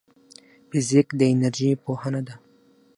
فزیک د انرژۍ پوهنه ده